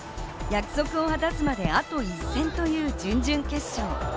約束を果たすまであと一戦という準々決勝。